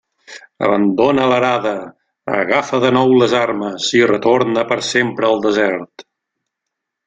Abandona l'arada, agafa de nou les armes, i retorna per sempre al desert.